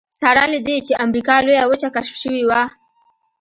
سره له دې چې امریکا لویه وچه کشف شوې وه.